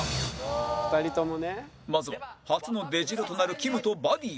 まずは初の出代となるきむとバディを